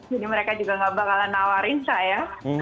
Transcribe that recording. jadi mereka juga gak bakalan nawarin saya